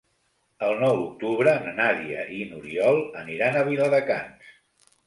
El nou d'octubre na Nàdia i n'Oriol aniran a Viladecans.